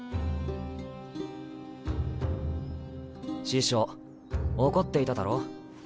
師匠怒っていただろう？